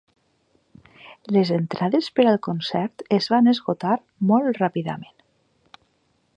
Les entrades per al concert es van esgotar molt ràpidament.